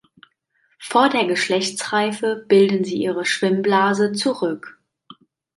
Vor der Geschlechtsreife bilden sie ihre Schwimmblase zurück.